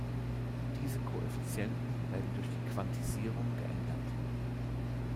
Diese Koeffizienten werden durch die Quantisierung geändert.